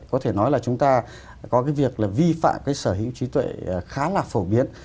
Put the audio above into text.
có thể nói là chúng ta có cái việc là vi phạm cái sở hữu trí tuệ khá là phổ biến